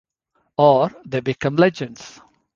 Or they become legends.